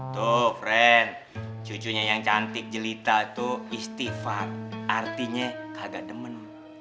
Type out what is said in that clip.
tuh fren cucunya yang cantik jelita tuh istifat artinya kagak demen